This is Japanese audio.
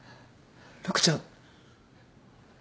陸ちゃん